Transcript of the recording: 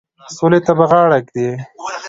سولي ته به غاړه ایږدي.